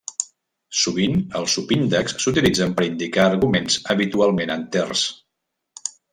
Sovint els subíndexs s'utilitzen per indicar arguments, habitualment enters.